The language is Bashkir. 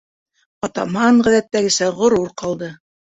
Атаман ғәҙәттәгесә ғорур ҡалды: